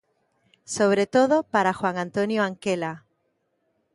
Sobre todo, para Juan Antonio Anquela.